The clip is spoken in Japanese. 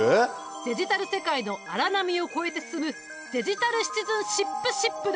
デジタル世界の荒波を越えて進むデジタルシチズンシップシップだ。